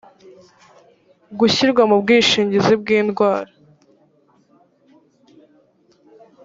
gushyirwa mu bwishingizi bw indwara